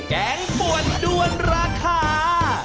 แกงป่วนด้วนราคา